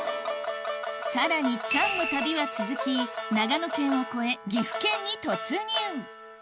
さらにチャンの旅は続き長野県を越え岐阜県に突入